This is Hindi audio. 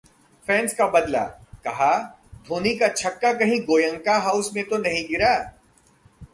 फैंस का बदला, कहा- धोनी का छक्का कहीं गोयनका हाउस में तो नहीं गिरा